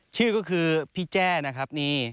ชื่อก็คือพี่แจ้นะครับนี่